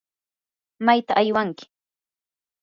¿mayta aywanki?